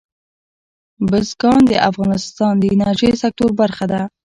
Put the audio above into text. بزګان د افغانستان د انرژۍ سکتور برخه ده.